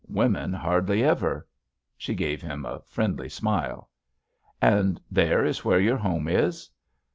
Women hardly ever." She gave him a friendly smile. "And there is where your home is?"